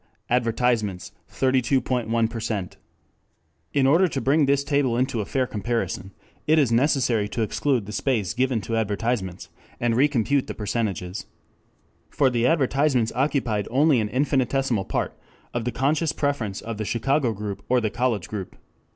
Advertisements 32.1 In order to bring this table into a fair comparison, it is necessary to exclude the space given to advertisements, and recompute the percentages. For the advertisements occupied only an infinitesimal part of the conscious preference of the Chicago group or the college group.